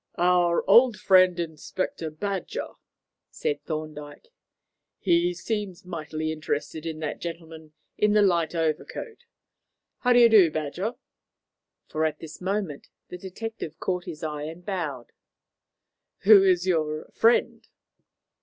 "Our old friend Inspector Badger," said Thorndyke. "He seems mightily interested in that gentleman in the light overcoat. How d'ye do, Badger?" for at this moment the detective caught his eye and bowed. "Who is your friend?"